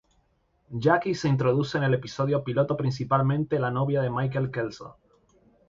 Jackie se introduce en el episodio piloto principalmente como la novia de Michael Kelso.